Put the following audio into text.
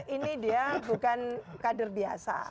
ini dia bukan kader biasa